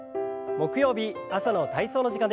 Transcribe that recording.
木曜日朝の体操の時間です。